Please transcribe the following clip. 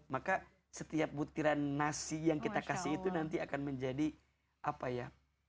maka setiap butiran nasi yang kita kasih itu nanti akan menjadi apa ya